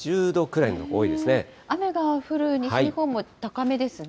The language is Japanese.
雨が降る西日本も高めですね。